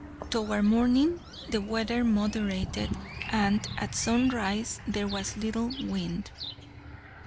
Toward morning the weather moderated, and at sunrise there was very little wind.